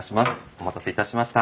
お待たせしました。